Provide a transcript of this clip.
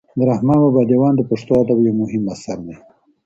د رحمان بابا دېوان د پښتو ادب یو مهم اثر دی.